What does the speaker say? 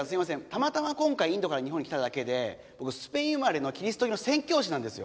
たまたま今回インドから日本に来ただけで僕スペイン生まれのキリスト教の宣教師なんですよ。